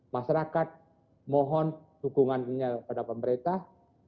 masyarakat mohon dukungannya pada pemerintah